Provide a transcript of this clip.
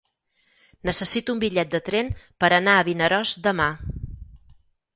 Necessito un bitllet de tren per anar a Vinaròs demà.